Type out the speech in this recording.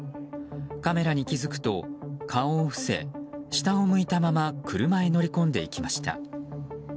カメラに気付くと顔を伏せ下を向いたまま車へ乗り込んでいきました。